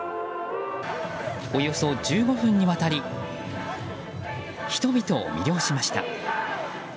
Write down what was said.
およそ１５分にわたり人々を魅了しました。